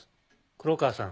黒川さん